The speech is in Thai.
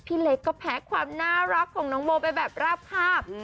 พี่เล็กก็แพ้ความน่ารักของน้องโมไปแบบราบคาบ